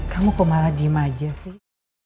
kamu kok malah diem aja sih